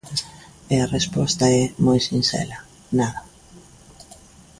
E a resposta é moi sinxela: nada.